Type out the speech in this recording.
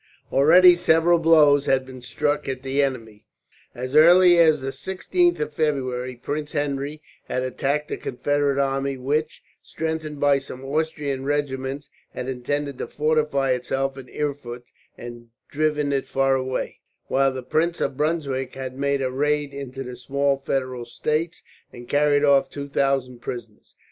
Already several blows had been struck at the enemy. As early as the 16th of February, Prince Henry had attacked the Confederate army which, strengthened by some Austrian regiments, had intended to fortify itself in Erfurt, and driven it far away; while the Prince of Brunswick had made a raid into the small Federal states, and carried off two thousand prisoners.